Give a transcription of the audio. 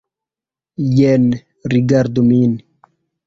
Jen, rigardu min.